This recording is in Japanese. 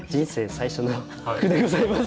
最初の句でございます。